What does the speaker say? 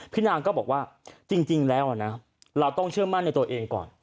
นางก็บอกว่าจริงแล้วนะเราต้องเชื่อมั่นในตัวเองก่อน